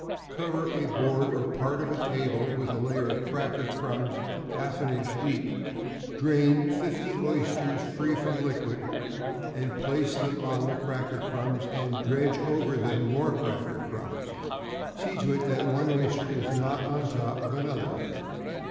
Cover a board or part of a table with a layer of cracker crumbs half an inch deep. Drain fifty oysters free from liquid, place them on the cracker crumbs, and dredge over them more cracker crumbs. See to it that one oyster is not on top of another.